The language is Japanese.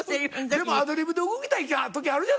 でもアドリブで動きたい時あるじゃないですか。